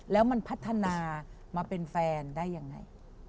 แล้วมันพัฒนามาเป็นแฟนได้ยังไง